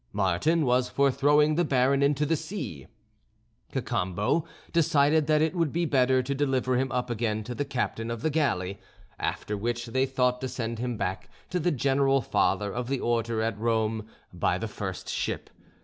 Martin was for throwing the Baron into the sea; Cacambo decided that it would be better to deliver him up again to the captain of the galley, after which they thought to send him back to the General Father of the Order at Rome by the first ship.